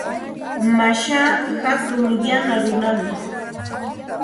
Mashaa hatun yana runam.